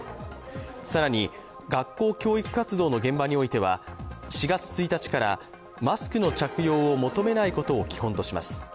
更に、学校教育活動の現場においては４月１日からマスクの着用を求めないことを基本とします。